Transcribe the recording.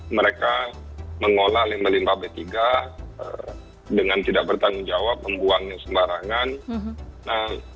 mereka mengolah limbah limbah b tiga dengan tidak bertanggung jawab membuangnya sembarangan